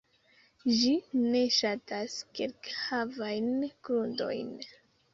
Ĝi ne ŝatas kalkhavajn grundojn.